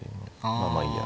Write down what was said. まあまあいいや。